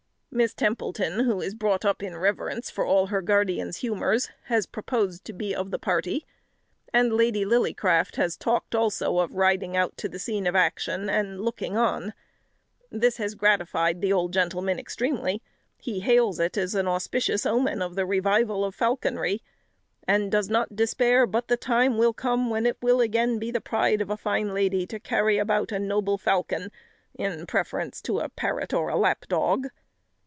Miss Templeton, who is brought up in reverence for all her guardian's humours, has proposed to be of the party, and Lady Lillycraft has talked also of riding out to the scene of action and looking on. This has gratified the old gentleman extremely; he hails it as an auspicious omen of the revival of falconry, and does not despair but the time will come when it will be again the pride of a fine lady to carry about a noble falcon in preference to a parrot or a lapdog.